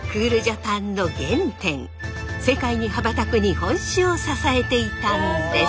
世界に羽ばたく日本酒を支えていたんです。